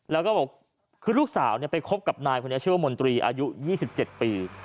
แล้วก็บอกคือลูกสาวไปคบกับนายคนนี้ชื่อว่ามนตรีอายุ๒๗ปี